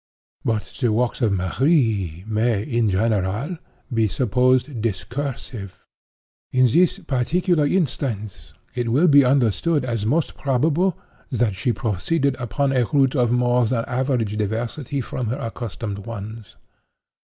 But the walks of Marie may, in general, be supposed discursive. In this particular instance, it will be understood as most probable, that she proceeded upon a route of more than average diversity from her accustomed ones.